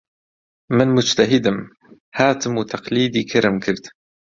من موجتەهیدم، هاتم و تەقلیدی کەرم کرد